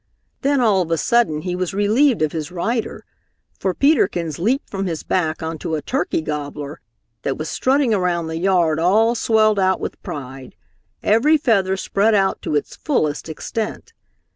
Then all of a sudden he was relieved of his rider, for Peter Kins leaped from his back onto a turkey gobbler that was strutting around the yard all swelled out with pride, every feather spread out to its fullest extent.